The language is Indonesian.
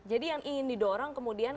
jadi yang ingin didorong kemudian